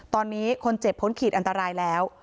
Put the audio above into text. ตอนนี้คนเจ็บพ้นขีดอันตรายแล้ว